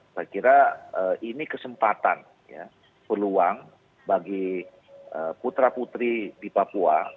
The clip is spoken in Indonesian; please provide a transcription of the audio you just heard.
saya kira ini kesempatan peluang bagi putra putri di papua